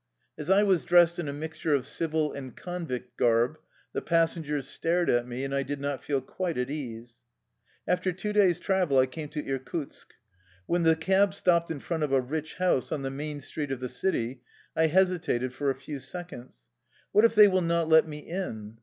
As I was dressed in a mixture of civil and convict garb, the passengers stared at me, and I did not feel quite at ease. After two days' travel I came to Irkutsk. When the cab stopped in front of a rich house on the main street of the city I hesitated for a few seconds. " What if they will not let me in?"